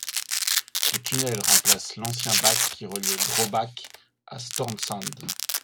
Ce tunnel remplace l'ancien bac qui reliait Drøbak à Storsand.